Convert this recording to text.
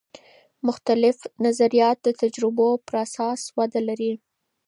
مختلف نظریات د تجربو پراساس وده لري.